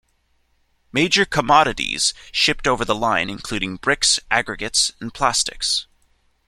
Major commodites shipped over the line include bricks, aggregates, and plastics.